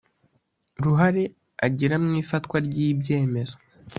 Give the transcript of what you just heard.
ruhare agira mu ifatwa ry ibyemezo